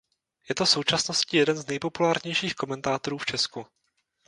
Je to v současnosti jeden z nejpopulárnějších komentátorů v Česku.